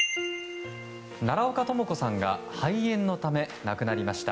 奈良岡朋子さんが肺炎のため亡くなりました。